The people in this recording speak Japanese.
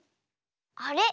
あれ？